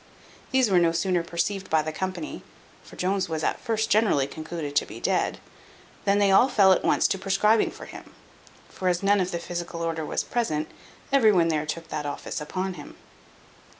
These were no sooner perceived by the company (for Jones was at first generally concluded to be dead) than they all fell at once to prescribing for him (for as none of the physical order was present, every one there took that office upon him).